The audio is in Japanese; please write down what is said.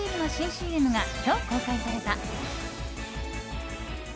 ＣＭが今日公開された。